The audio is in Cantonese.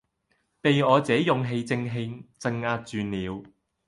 被我這勇氣正氣鎭壓住了。